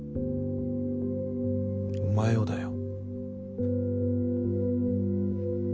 お前をだよ。